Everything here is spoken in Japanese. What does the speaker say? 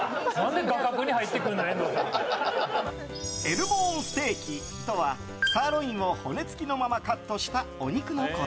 Ｌボーンステーキとはサーロインを骨付きのままカットしたお肉のこと。